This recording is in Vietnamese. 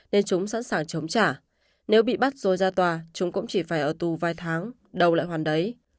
nên chúng sẵn sàng chống trả nếu bị bắt rồi ra tòa chúng cũng chỉ phải ở tù vài tháng đầu lại hoàn đấy